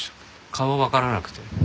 顔はわからなくて。